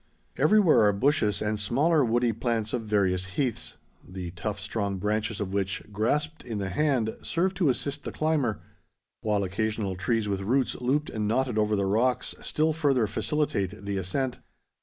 Everywhere are bushes and smaller woody plants of various heaths, the tough strong branches of which, grasped in the hand, serve to assist the climber, while occasional trees with roots looped and knotted over the rocks still further facilitate the ascent.